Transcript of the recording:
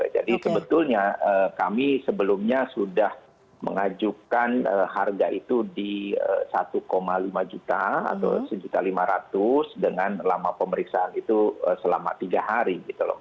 jadi sebetulnya kami sebelumnya sudah mengajukan harga itu di rp satu lima juta atau rp satu lima ratus dengan lama pemeriksaan itu selama tiga hari